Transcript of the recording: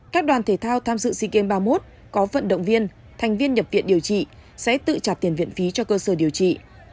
các đoàn thể thao tham dự sea games ba mươi một có vận động viên thành viên nhập viện điều trị sẽ tự trả tiền viện phí cho cơ sở điều trị